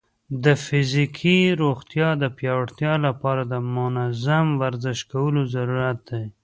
د فزیکي روغتیا د پیاوړتیا لپاره د منظم ورزش کولو ضرورت دی.